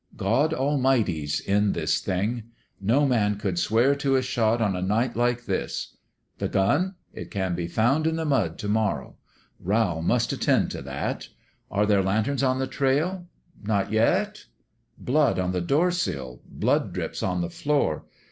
God Almighty's in this thing. No man could swear to a shot on a night like this. The gun ? It can be found in the mud to mor row. Rowl must attend to that. ... Are there lanterns on the trail ? Not yet ?,.. Blood on the door sill. Blood drips on the floor.